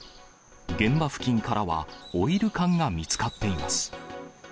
現場付近からはオイル缶が見つかっています。